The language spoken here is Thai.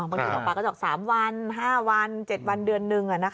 หมอปลาก็บอก๓วัน๕วัน๗วันเดือนหนึ่ง